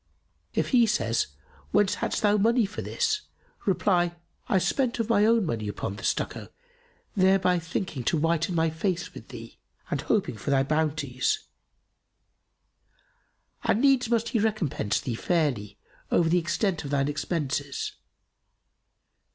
If he says, 'Whence hadst thou the money for this?' reply, 'I spent of my own money upon the stucco, thereby thinking to whiten my face with thee and hoping for thy bounties.' And needs must he recompense thee fairly over the extent of thine expenses.